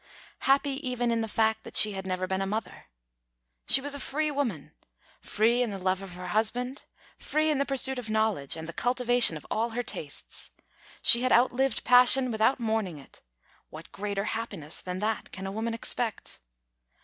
Happy even in the fact that she had never been a mother. She was a free woman; free in the love of her husband, free in the pursuit of knowledge and the cultivation of all her tastes. She had outlived passion without mourning it; what greater happiness than that can a woman expect?